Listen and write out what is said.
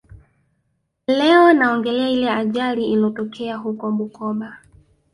Leo naongelea ile ajali ilotokea huko Bukoba